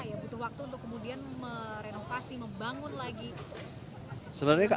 ya butuh waktu untuk kemudian merenovasi membangun lagi